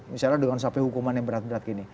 misalnya dengan sampai hukuman yang berat berat gini